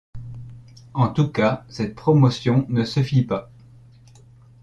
En tout cas, cette promotion ne se fit pas.